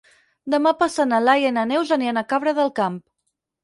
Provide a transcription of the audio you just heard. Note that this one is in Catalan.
Demà passat na Laia i na Neus aniran a Cabra del Camp.